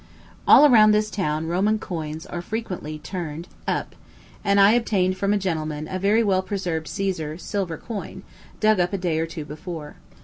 All around this town Roman coins are frequently turned up; and I obtained from a gentleman a very well preserved Cæsar silver coin, dug up a day or two before.